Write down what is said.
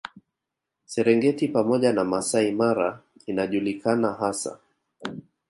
Serengeti pamoja na Masai Mara inajulikana hasa